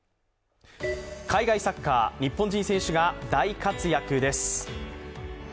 海外サッカー、日本人選手が大活躍です。